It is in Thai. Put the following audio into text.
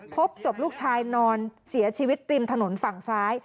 พบศพลูกชายนอนเสียชีวิตริมถนนฝั่งซ้าย